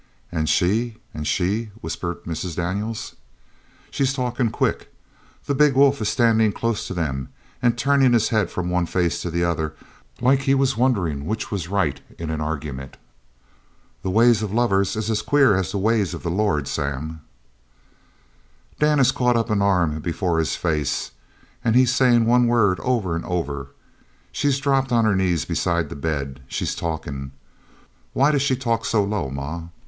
"An' she? An' she?" whispered Mrs. Daniels. "She's talkin' quick. The big wolf is standin' close to them an' turnin' his head from one face to the other like he was wonderin' which was right in the argyment." "The ways of lovers is as queer as the ways of the Lord, Sam!" "Dan has caught an arm up before his face, an' he's sayin' one word over an' over. She's dropped on her knees beside the bed. She's talkin'. Why does she talk so low, ma?"